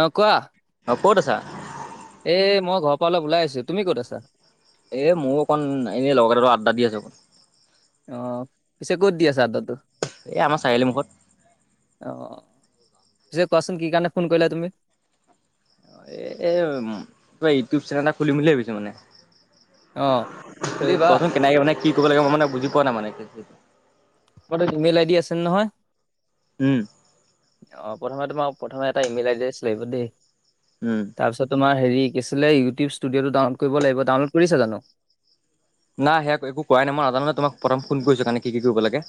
অ কোৱা অঁ ক'ত আছা এ মই ঘৰ পৰা অলপ ওলাই আছো তুমি ক'ত আা এ মোৰো অকণ এনে লগতে আড্ডা দি আছো অকণ অ পিছে ক'ত দি আছে চৰ্দৰটো এই আমাৰ চাৰিআি মুখত অঁ পিছে কোৱাচোন কি কাৰণে ফোন কৰিলো তুমি এ তা ইউটিউব চেনেল এটা খুলিম বুলি ভাবিছো মানে অ খুলিবা কোৱাচোন কেনেকে মানে কি কৰিব লাগিব মই মানে বুজি পোৱা নাই মানে তোমাৰ ইমেই আই ডি আছে নহয় উম অ প্ৰথমে তোমাক প্ৰথমে এটা ইমেইল আড্ৰেছ লাগিব দেই উম তাৰপিছ তোমাৰ হৰিছিলে ইউটিউব ষ্টুিঅ'টো ডউলড কৰিব লাগিব ডউলোড কৰিা জানো নাই সেয়া একো কাই নাই মই আদাননে তোমাক প্ৰথম ফোন কৰিছো কাৰণে কি কি কৰিব লাগে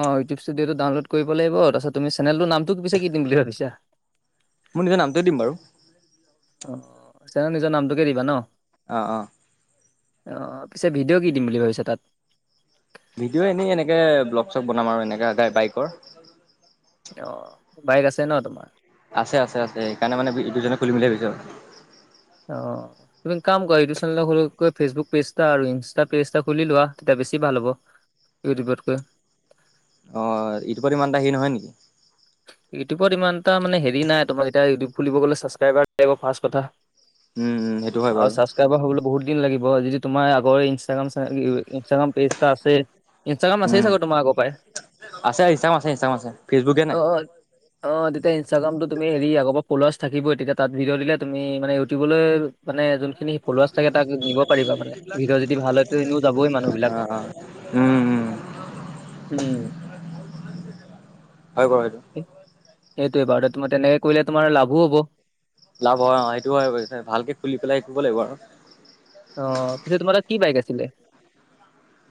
অ ইউটউব ষ্টুডঅ'টো ডাউনলড কৰিব লাগিব তাৰপাছ তুম চনেলটো নামটো পিছে কি দিম বুলি ভাবিা মোৰ নিজৰ নামোৱে দিমাৰু অ চ ন নিজৰ নামটোকে দিবা ন অঁ অঁ অঁ পিছে ভিডিঅ' কি দিম বুলি ভাবিছে তাত ভিডিঅ' এনেই এনেকে ব্লগ চগ বনাম আৰু এনেকে বাইকৰ অ বাইক আছে ন তোমাৰ আছে আছে আছে সেইকাৰণে মানে এই দুজনে খুলি মিলে পিছ অ তুমি কাম কৰা ইউটিউ চেনেল ফেচবুক পেজটা আৰু ইনষ্টা পেজটা খুলি লোৱা তেতিয়া বেছি ভাল হ'ব ঈৰিবক অ ইটোপৰত ইমান এটা হেৰি নহয় নেকি ইউটিউবত ইমান এ মে হেৰি নাই তোমাৰতিয়া ইউিউ খুলিবলে ছাব্ৰব কথা উম উম সেইটো হয় বাৰু বাৰ হ'বলৈ বহুত দিন লাগিব যদি তোমাৰ আগৰ ইনাগ্ৰাম ইনাগ্ৰাম পেজ এটা আছে ইঞ্চষ্টাগ্ৰাম চা উম চছো তম এক উপায় আছে ইছাম আছে ইচাম আছে ফেচবুকে নাই অ অ তেতিয়া ইনষ্টাগ্ৰামটো তুমি হৰি আৰ পলাৰ্চ থাকিবই তেতিয়া তাত ভিডিঅ দিলে তুমি মানে ইউটিউবলৈ মানে সেই খিনি স ফৰুুৱা চাগে তাক নিব পাৰিবা মানে ভিতৰত যদি ভাল হয় তেও যাবই অ', মানুহবিলাক অ', উম, উম উম হয় কোৱা হয়টো সেইটোৱে বাৰুমাৰ তেনেকে কৰিলে তোমাৰ লাভো হ'ব লাভ হয় অ সেইটো হয়ছে ভালকে খুলি পেলাই শিকিব লাগিব আৰু অ পিছে তোমাৰ তাত কি বাইক আছিলে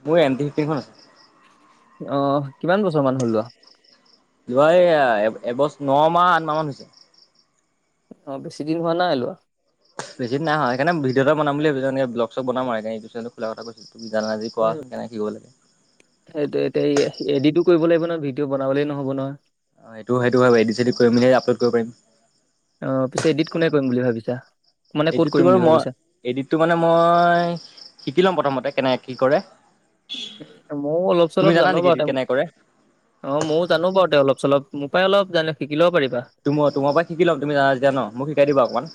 মই এনেধিিতিি শ ন অ কিমান বছৰ মান হলোৱা যোৱা এই এবছ ন মাহ আঠ মাহমান হৈছে অ বেছি দিন হোৱা নাই লোৱা বেছি নয় সকাৰণ ভি' এটা বাম বুলি ভাবিছনেে ব্ল চব বনাম আৰু সেইটোো কো কৈছিল তুমি জান য কৰাচোন কেনেকাকিব লাগে সেইটো এতিয়া এডিিতো কৰিব লাগিব নহয় ভিডিঅ' বনাবলে নহ'ব নহয় হয়েইটো সেইটো হয় এ চ কৰি মেলি আপলোড কৰিব পিম অ পিছে এডিত কোনে কৰিম বুলি ভাবিছা মানে ক'ত এইটতটো কৰিম বাৰু বুলি মই ভাবিছা এইটতটো মানে মই শিকি লম প্ৰথমতে কেনেকে কি কৰে ময়ও অলপ চ তুমি অলপ জানা জানো নেকি বাৰু এডিট তে কেনেকে কৰে? অ', ময়ো জানো বাৰু তে অলপ, চলপ মোৰ পৰাই অলপ জানো শিকিলেও পাৰিবা তোমাৰ পৰা শিকি লম, তুম জা যেতি ন মোক শিকাই দিবা অকমান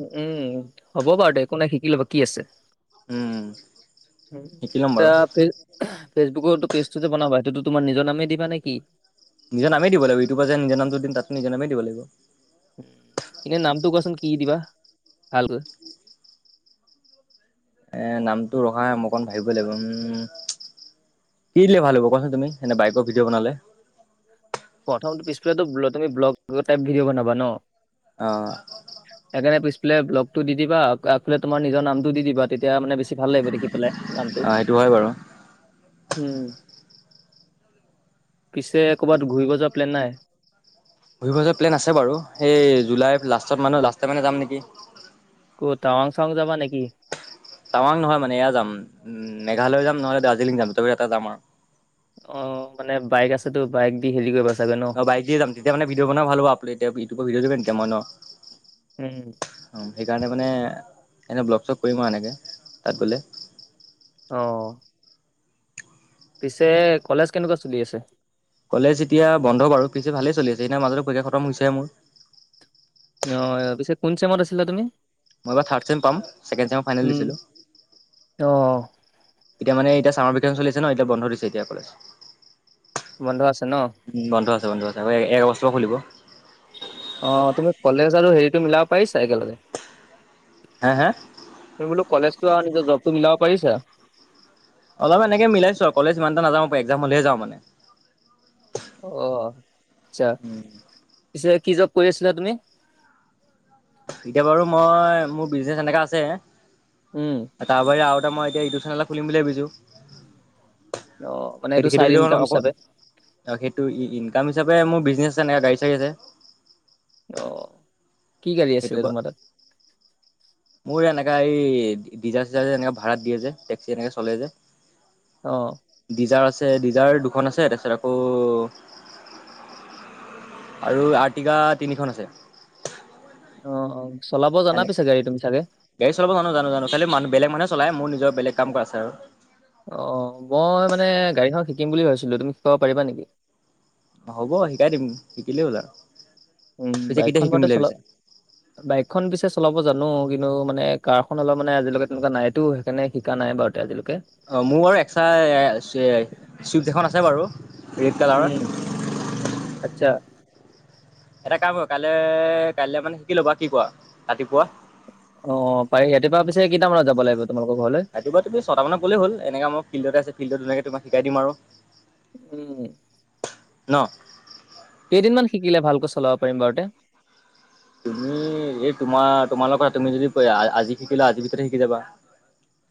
উম, হ'ব বাৰু দে একো নাই শিকি ল'ব কি আছে উম, শিকি ল'ম টা বাৰু। ফেচবুকৰো পেজটো যে বনাবা, সেইটো তোমাৰ নিৰ নামেই দিবা নেকি নিজৰামেই দিব লাগ, ইউটউবাৰ যে নিজ নামটো দিম, তাতো নিজ নামেই দ লাগিব এনেই নামটো কোৱাচোন, কি দিবা ভালকৈ এ নামটো ৰখা, মই অকণ ভাবিবই লাগিব উম, কি দিলে ভাল হ'ব কচোন তুমি, এনে বাইকৰ ভিডিও বনালে প্ৰথমটো পিছফাল তুমি ব্লগ টাইপ ভিডিঅ বনা ন অ', সেইণে পি পাললে ব্লগটো দি দিবা, আগফালে তোমাৰ নিজৰ নামটো দি দিবা তেয়া এতিয়া মানে বেছি ভাল লাগিব দেখি, পেলাই নামটো। অ সেইটো হয় বাৰু। উম, পিছে ক'ৰবাত ঘূৰিব যোৱাৰ প্লেন নাই? ঘূৰিব যোৱা প্লেন আছে বাৰু, সেই জুলাই লাষ্টত মানে লাষ্টে মানে যাম নেকি। ক'ত টাৱাং চাং যাবা নেকি? টাৱাং নহয় মানে, এয়া যাম, মেঘালয় যাম নহ'লে দাৰ্জিলিং যাম, দুটা ভিতৰত এটা যাম আৰু। অ', মানে বাইক আছেতো, বাইক দি হেৰি কৰিবা চাগৈ ন। অ', বাইক দি যাম, তেতিয়া মানে ভিডঅ' বনোৱা ভাল হব, আপ এতিয়া ইউটিউবত ভিডিঅ দিব পাৰিম তেতিয়া মই ন। উম। সেইকাৰণে মানে এনেই ব্লগ চক কৰিম আৰু এনেকে, তাত গ'লে। অহ। পিছে, কলেজ কেনেকুৱা চলি আছে? কলেজ এতিয়া বন্ধ বাৰু, পিছে ভালেই চলি আছে, এতিয়া মাজতে পৰীক্ষা খতম হৈছে হে মোৰ। অহ, পিছে কোন চেমত আছিলা তুমি? মই এইবাৰ থাৰ্ড চেম পাম, ছেকেণ্ড চেমৰ ফাইনেল দিছিলোঁ। অহ। এতিয়া মানে, এতিয়া চামাৰ ভেকেচন চলি আছে ন এতিয়া বন্ধ দিছে এতিয়া কলেজ। বন্ধ আছে ন। বন্ধ আছে বন্ধ আছে, এক আগষ্ট পৰা খুলিব। অ', তুমি কলেজ আৰু হেৰিতটো মিলাব পাৰিছা একেলগে। হা হা? তুমি বোলো, কলেজতো আৰু নিজৰ জবতো মিলাব পাৰিছা? অলপ এনেকেই মিলাইছো, আৰু কলেজ ইমান এটা নাযাওঁ, একজাম হলেহে যাও মানে। অ', আচ্ছা, পিছে কি জব কৰি আছিলা তুমি? এতিয়া বাৰু মই মোৰ বিজনেচ এনেকা আছে। উম, তাৰ বাহৰি আৰু এটা মই এতিয়া ইউটিউব চেনেল এটা খুলিম বুলি ভাবিছোঁ। অ' মানে সেই এইটো সেইটো চাইড যদি মই ইনকাম অক হিচাপে আৰু সেইটো ইনকাম হিচাপে মোৰ বিজনেছ এনে গাড়ী চাৰি আছে। অ', কি গাড়ী সেইটো আছিলে পৰা তোমাৰ তাত? মোৰ এনেকা এই, ডিজায়াৰ চিজায়াৰ যে এনেকে ভাড়াত দিয়ে যে, টেক্সি এনেকে চলে যে অহ। ডিজাৰ আছে, ডিজাৰ দুখন আছে তাৰপিছত আকৌ আৰু আৰ্টিকা তিনিখন আছে। অ', অ, চলাব জানা এনে পিছো গাড়ী তুমি চাগে? গাড়ী চলাব জানো জানো জানো, খালি মান বেলেগ মানুহে চলাই মোৰ নিজৰ বেলে কাম আছে আৰু। অ', মই মানে গাড়ীখন শিকিম বুলি ভাবিছিলো। তুমি শিকাব পাৰিবা নেকি? হ'ব শিকাই দিম শিকিলেই হ'ল উম, আৰু। পিছে কেতিয়া বাইকখন শিকিম বাৰুতে বুলি চলা ভাবিছো? বাইকখন পিছে চলাব জানো কিন্তু মানে কাৰখন অলপ মানে আজিলৈকে তেনেকুৱা নাইতো। সেইকাৰণে শিকা নাই বাৰু তে আজিলৈকে। অ', মোৰ বাৰু এক্সট্ৰা [unintelligible] ছুইফ্ট এখন আছে বাৰু। ৰেড কালাৰৰ। উম, আচ্ছা। এটা কাম কৰিবা, কাইলে-কাইলে মানে শিকি ল'বা কি কোৱা, ৰাতিপুৱা। অ', পাৰি! ৰাতিপুৱা পিছে কেইটা মানত যাব লাগিব, তোমালোকৰ ঘৰলৈ? ৰাতিপুৱা তুমি ছটা মানত গ'লেই হ'ল। এনকে মই ফিল্ডতে আছে, ফিল্ডত ধুনীয়াকে তোমাক শিকাই দিম আৰু। উম। ন'? কেইদিনমান শিকিলে ভালকৈ চলাব পাৰিম বাৰু [unintelligible] তুমি এই তোমাৰ, তোমাৰ লগত কথা! তুমি যদি আজি শিকিলা, আজিৰ ভিতৰতে শিকি যাবা।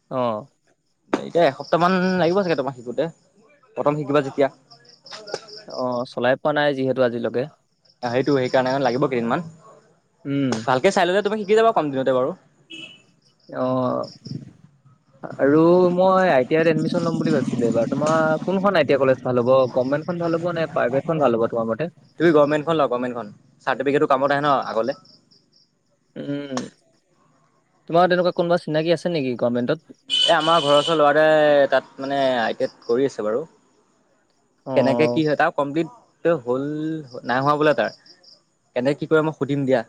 অ'। এতিয়া এসপ্তাহ মান লাগিব চাগে তোমাৰ শিকোঁতে, প্ৰথম শিকিবা যেতিয়া। অ', চলাই পোৱা নাই, যিহেতু আজিলৈকে। অ', সেইটোৱে সেইকাৰণে মানে লাগিব কেইদিনমান! উম। ভালকে চাই ল'লে তুমি শিকি যাবা কম দিনতে বাৰু। অ'। [inaudible] আৰু মই আই টি আইত এডমিচন ল'ম বুলি ভাবিছিলোঁ এইবাৰ! তোমাৰ কোনখন আই টি আই কলেজ ভাল হ'ব, গভৰ্ণমেণ্ট খন ভাল হ'বনে, প্ৰাইভেটখন ভাল হ'ব তোমাৰ মতে? তুমি গভৰ্ণমেণ্টখন লোৱা গভৰ্ণমেণ্টখন, চাৰ্টিফিকেটো কামত আহে ন' আগলে। উম, তোমাৰ তেনেকুৱা কোনোবা চিনাকি আছে নেকি, গভৰ্ণমেণ্টত? এ আমাৰ ঘৰৰ ওচৰ ল'ৰা এটাই তাত মানে, আই টি আইত কৰি আছে বাৰু। কেনেকে অ'। কি হয়, তাৰ কমপ্লিট [unintelligible] হ'ল! নাই হোৱা বোলে তাৰ, কেনেক কি কৰে মই সুধিম দিয়া।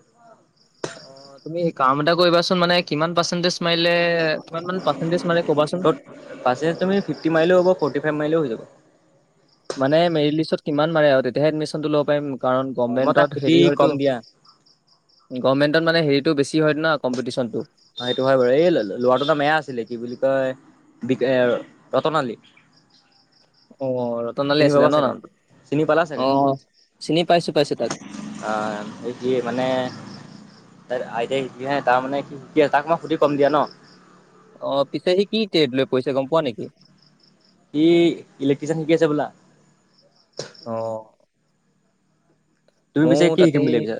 তুমি কাম এটা কৰিবাচোন! মানে কিমান পাৰ্চেন্টেজ মাৰিলে, কিমান মানে পাৰ্চেন্টেজ মানে ক'বাচোন। তত পাৰ্চেন্টেজ তুমি ফিফটি মাৰিলেও হ'ব, ফৰ্টি ফাইভ মাৰিলেও হৈ যাব। মানে মেৰিট লিষ্টত কিমান মাৰে আৰু তেতিয়াহে এডমিচনটো ল'ব পাৰিম, কাৰণ অ মই তাক গভৰ্ণমেণ্টত সুধি হেৰি কম হয়তো। দিয়া গভৰ্ণমেণ্টত মানে হেৰিটো বেছি হয় ন' কম্পিটিশ্যনটো। অ', সেইটো হয় বাৰু, এই লৰাটোৰ নাম [unintelligible] আছিলে কি বুলি কয়, [unintelligible] ৰতনালী। অ', ৰতনালী চিনি আছিলে পাবা ন' চাগে নামটো! চিনি পালা অ', চিনি পাইছোঁ-পাইছোঁ তাক। অ', এই কি মানে তাৰ আইতায়েক [unintelligible] তাৰ মানে সি শিকি আছে, তাক মই সুধি কম দিয়া ন'? অ', পিছে সি কি [unintelligible] লৈ পঢ়িছে, গম পোৱা নেকি? ই ইলেক্ট্ৰিচিয়ান শিকি আছে হ'বলা। অ'। তুমি পিছে ময়ো কি শিকিম তাতেই, বুলি ভাবিছা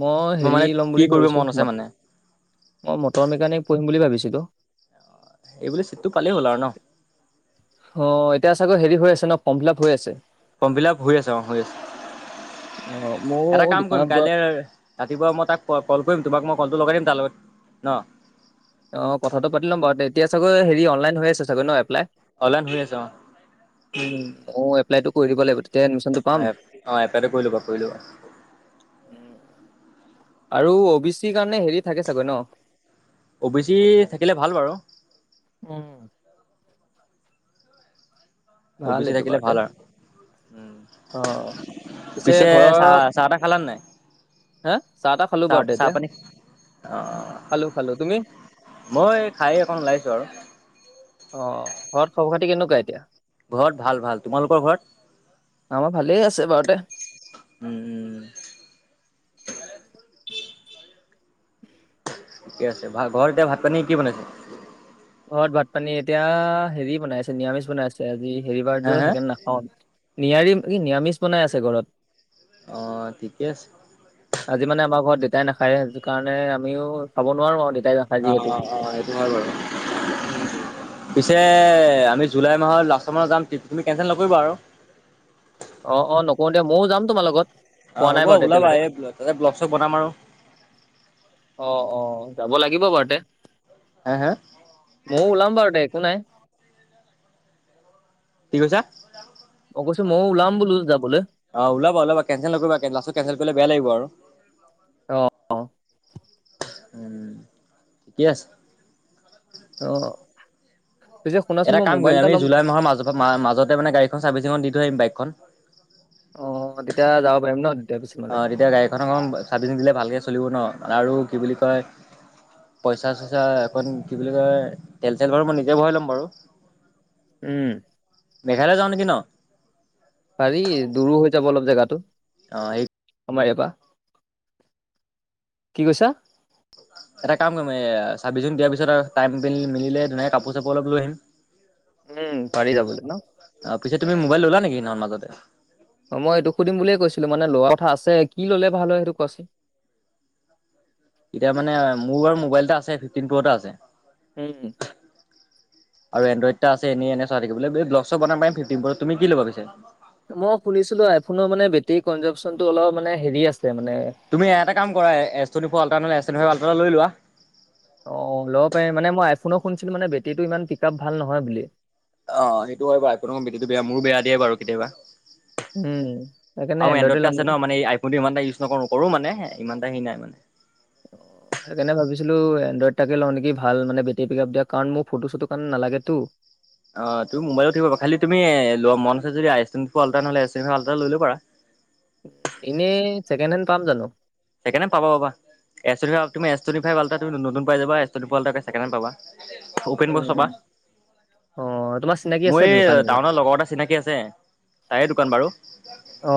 মই তোমাৰ হেৰি মানে ল'ম কি বুলি কৰিব ভাবিছোঁ মন আছে ম মানে মই, মটৰ মেকানিক পঢ়িম বুলি ভাবিছিলোঁ। এইবুলি চিটটো পালেই হ'ল আৰু ন'। অ', এতিয়া চাগৈ হেৰি হৈ আছে ন' ফৰ্ম ফিল-আপ হৈ আছে। ফৰ্ম ফিল-আপ হৈ আছে, অ', হৈ অ', আছে। ময়ো এটা কাম কৰিম দোকানত গৈ কাইলে ৰাতিপুৱা মই তাক [unintelligible] ক'ল কৰিম! তোমাক মই ক'লটো লগাই দিম তাৰ লগত ন'। অ', কথাটো পাতি ল'ম বাৰু, [unintelligible] এতিয়া চাগৈ হেৰি অনলাইন হৈ আছে চাগৈ ন' এপ্লাই। অলাইন হৈ আছে, অ'। উম, ময়ো এপ্লাইটো কৰি দিব লাগিব! তেতিয়াহে এডমিচন অ', [unintelligible] অ', এপ্লাইটো কৰি ল'বা, কৰি ল'বা। উম, আৰু অ' বি চি কাৰণে হেৰি থাকে চাগৈ ন'। অ' বি চি থাকিলে ভাল বাৰু। উম। অ' ভাল বি চি এইটো থাকিলে বাৰুতে ভাল আৰু। উম, অ'। পিছে চাহ, চাহ-তাহ খালানে নাই? হে, চাহ-তাহ খাল চাহ চাহ পানী অ' খালোঁ খালোঁ তুমি? মই এই খাই একণ ওলাইছো আৰু। অ' ঘৰত খবৰ খাতি কেনেকুৱা এতিয়া? ঘৰত ভাল ভাল তোমালোকৰ ঘৰত? আমাৰ ভালে আছে বাৰুতে। উম। ঠিকে আছে, ভ ঘৰত এতিয়া ভাত পানী কি বনাইছে? ঘৰত ভাত পানী এতিয়া হেৰি বনাই আছে, নিৰামিষ বনাই আছে আজি হেৰি বাৰ হা যে হা সেইকাৰণেই না অ' নিয়াৰিম কি নিৰামিষ বনাই আছে ঘৰত? অ' ঠিকে আছে। আজি মানে আমাৰ ঘৰত দেউতাই নাখায়, সেইটো কাৰণে আমিও খাব নোৱাৰো আৰু দেউতাই নাখায়, অ যিহেতু। অ অ সেইটো হয় বাৰু পিছে আমি জুলাই মাহৰ লাষ্টানত যাম ট্ৰিপ তুমি কেনচেল নকৰিবা আৰু। অ' অ' নকৰো দিয়া, ময়ো যাম তোমাৰ লগত। পোৱা অ' নাই হ'ব বাৰু ওলাবা, তেতিয়ালৈকে এই তাতে ব্লগ চ্গ বনাম আৰু। অ' অ' যাব লাগিব বাৰুতে। হে হে? ময়ো ওলাম বাৰু দে একো নাই। কি কৈছা? মই কৈছো, যে ময়ো ওলাম বোলো যাবলৈ। অ' ওলাব ওলাব কেল নকৰিবা, লাষ্টটো কেনেল কৰিলে বেয়া লাগিব আৰু। আহ। উম ঠিকে আছে। অ'। পিছে শুনাচোন এটা মই কাম মোবাইল কৰিম আমি ল'ম জুলাই মাহৰ ম মাজতে মানে গাড়ীখন চাৰ্ভিচিঙত দি থৰিম বাইকখন। অ' তেতিয়া যাব পাৰিম ন তেতিয়াৰ পিছত মানে। প্ৰথখন চাৰ্ভিচিং দিলে ভালকৈ চলিব ন আৰু কি বুলি কয় পইচা চইচা এখন কি বুলি কয় তেল চেল ঘ মই নিজে ভৰাই ল'ম বাৰু। উম। মেঘালয় যা নেকি ন? পাৰি দূৰো হৈ যাব অলপ জেগাতো। অ' সেই আমাৰ ইয়াৰপা, কি কৈছা? এটা কাম কৰিম এ চাবি জু দিয়াৰ পিছত আৰু টাইম মিলে ধুন কাপোৰ চাপোৰ অলপ লৈ আহিম। উ [inaudible] উম পাৰি যাবলৈ ন। অ' পিছে তুমি মোবাই নেকিহ মাজতে? অ' মই এইটো সুধম বুলিয়ে কৈছিলো, মানে লোৱাৰ কথা আছে কি ললে ভাল হয় সেইটো কোৱাচোন। এতিয়া মানে মোৰু মোবাইল এটা আছে ফিফটিন টুৰ এটা আছে। উম। [unintelligible] আৰু এনড্ৰড এটা আছে এনে এনে চ থাকিবো ব্লগ চ বনাব পিম ফিফটিন তুমি কি ল'ব পিছে? মই শুনিছিলো আইফোনৰ মানে বেটেৰী কনজামচনতটো অলপ মানে হেৰি আছে মানে তুমি এ কাম কৰা এ টনি ফল্ এল্্ৰা লৈ লোৱা। অ' ল'ব পাৰি মান মইফোনক শুনিছিলো, মানে বেটেৰীটো ইমান পিক আপ ভাল নহয় বুলি। অ' সেইটো হয় বাৰু আউ ফোন বেটেৰিটো বেয়া মোৰ বেয়া দিয়ে বাৰু কেতিয়াবা। উম। সেইকাৰণে আৰু এনড্ৰইডে এনড্ৰইড এ ল'ম আছে ন নেকি মানে এই আইফোনটো ইমানটা ইউজ নকৰোঁ কৰো মানে ইমানটা হে নাই মানে। [inaudible] সেইকাৰণে ভাবিছিলো এনড্ৰইড তাকে লওঁ নেকি ভাল মান বেটেৰিকিপ দিয়ে কাৰণ মোৰ ফটো চটো কাৰে নালাগে তো। অ' তুমি মোবাইলত থবা খালি তুমি লোৱা মন আ যদি আই এ ফ আল্া নহলে এ আল্টা লৈ ল পাৰা। এনেই চেকেণ্ড হেণ্ড পাম জানো ছেেণ্ডে পাব এ তুম এ ট ফাইভ তুমিতুন পাইাবা ছেেণ্ড পাবা উপেন বৈ উম চাবা অ তোমাৰ চিনাকি আছে মোৰ দোকান এই এনেকুৱা টাউনৰত লগৰ এটা চিনাকী আছে তাই দোকান বাৰু অ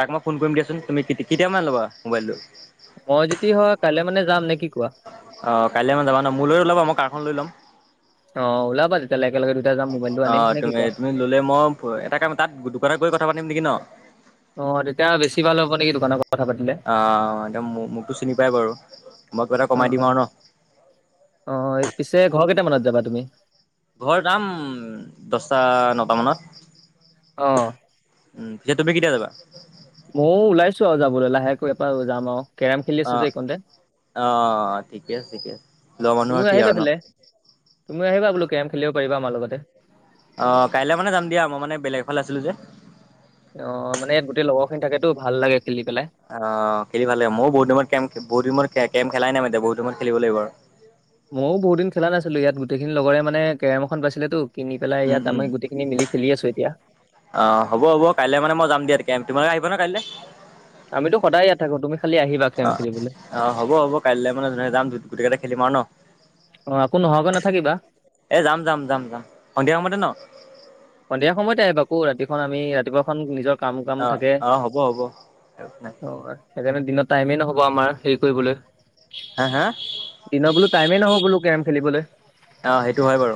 তাক মই ফোন কৰিম দিয়াচোন তুমি কেতিয়া মান ল'া মোবাইলটো মই যদি হয় কাইলৈ মানে যাম নেকি অ কাইলৈ মান যাবা ন মো লৈ ওলাবা মই কাৰখন লৈ ল'ম অ লভাব তেতি এে ল গ অ তুমি তুমি ললে মই এটা কাম তাত দোকানত গৈ কথা পাতিম নেকি ন অ তেতিয়া বেছি ভাল হ'ব নেকি দোকানৰ কথা পাতিলে আহ এ মোকতো চিনি পাই বাৰু মই কিবা এটা অ কমাই দিম আৰু ন অ পিছে ঘৰ কেইটামানত যাবা তুমি ঘৰত যাম দছটা নটা অ মানত উম তেতিয়া তুমি কেতিয়া যাবা ময়ও ওলাইছো আৰু যাবলৈ লাহেকৈ এপাৰ যাম আৰু কেৰম খেলি আছো অ যে এইকণতে অ ঠিকে আছে ঠিকে আছে লোৱা মানুহৰ কি আৰু ন তুমি আহিবা বোলো কেম খেলিব পাৰিবা আমাৰ লগতে অ কাইলৈ মানে যাম দিয়া মই মানে বেলেগ এ ফালে আছিলো যে অ মানে ইয়াত গোটেই লগৰ খিনি থাকেতো ভাল লাগে খেলি পেলাই অ খেলি ভালাগ হয় ময় বহুতিনত কেম বহুত দিনত কেম খেলাই নাই এতিয়া বুত দিনত খেলিব লাগিব আৰু ময়ো বহুত দিন খেলা নাছিলো ইয়াত গোটেইখিনি লগৰে মানে কেৰম এখন পাইছিলেেতো কিনি পেলাই উম, ইয়াত আম উম, গোটেইখিনি মিলি খেলি আছো এতিয়া অ হ'ব হ'ব কাই মানেই য দিয়া এতি তমালে আহিব ন কাইলৈ আমিতো সদায়য়াত থাকো তুমি খি আহি অ অ হ'ব হব কাইলৈ মানে যো যাম গোটেই কেইটা খেলিম আৰু ন অ আকৌ নহোৱাকৈ নাথাকিবা এই যাম যাম যাম যাম সন্ধিয়া সময়তে ন সন্ধিয়া সময়তে আহ বাকো ৰাতিখন আমি ৰাতিপুৱাখন নিজৰ কাম কাম অ', থাকে অ', হ'ব হ'ব। অ সেইকাৰণে দিনৰ টাইমেই নহব আমাৰ হেৰি কৰিবলৈ হা হা দিনৰ বোলো টাইমেই নহয় বোলো কেম খেলিবলৈ অ', সেইটো হয় বাৰু,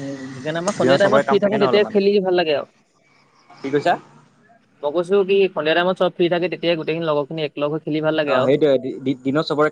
উম সেইকাৰণে আমাৰ দিনত সন্ধিয়া চবৰে টাইমত ফ্ৰী কাম থাকো থাকে ন তেতিয়া অলপমান। খেলি ভাল লাগে আৰু কি কৈছা? মইৈো সন্িয় াইমতব ফ থাক তেতিয়া গোটেইিন লগৰখিন এক লগ খেলি ভাল লাগে অ আৰু সেইটোয়ে দিনত চবৰে কাম